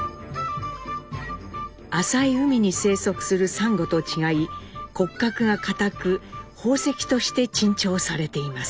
浅い海に生息するサンゴと違い骨格が硬く宝石として珍重されています。